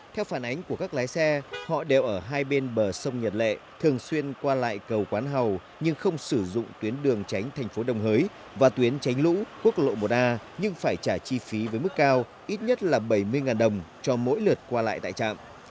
theo phản ánh của các lái xe họ đều ở hai bên bờ sông nhật lệ thường xuyên qua lại cầu quán hầu nhưng không sử dụng tuyến đường tránh thành phố đồng hới và tuyến tránh lũ quốc lộ một a nhưng phải trả chi phí với mức cao ít nhất là bảy mươi đồng cho mỗi lượt qua lại tại trạm